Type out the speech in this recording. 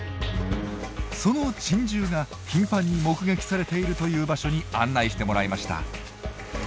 その珍獣が頻繁に目撃されているという場所に案内してもらいました。